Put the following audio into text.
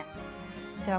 では